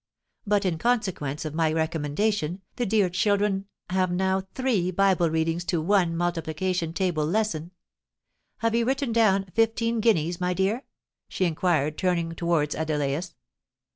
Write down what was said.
But, in consequence of my recommendation, the dear children have now three Bible readings to one multiplication table lesson. Have you written down fifteen guineas, my dear?" she inquired, turning towards Adelais.